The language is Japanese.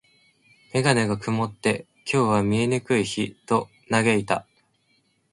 メガネが曇って、「今日は見えにくい日」と嘆いた。